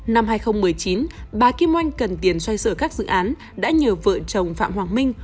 năm hai nghìn một mươi chín bà kim oanh cần tiền xoay sở các dự án đã nhờ vợ chồng phạm hoàng minh